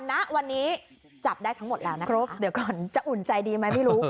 ณวันนี้จับได้ทั้งหมดแล้วนะคะเดี๋ยวก่อนจะอุ่นใจดีไหมไม่รู้